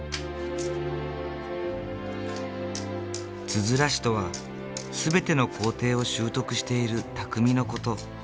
つづら師とは全ての工程を習得している匠の事。